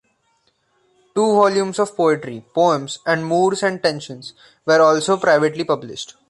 Two volumes of poetry, "Poems" and "Moods and Tensions", were also privately published.